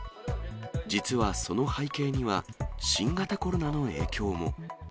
実はその背景には、新型コロナの影響も。